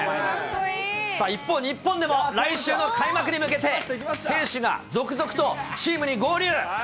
一方、日本でも来週の開幕に向けて、選手が続々とチームに合流。